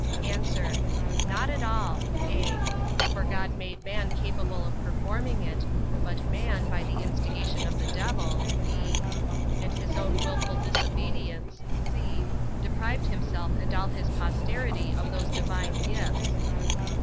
A. Not at all; (a) for God made man capable of performing it; but man, by the instigation of the devil, (b) and his own wilful disobedience, (c) deprived himself and all his posterity of those divine gifts.